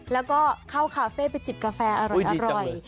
แล้วก็เข้าคาเฟ่ไปจิบกาแฟอร่อย